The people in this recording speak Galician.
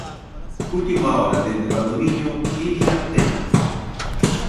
Última hora dende Valdoviño, Iria Tena.